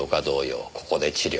ここで治療中。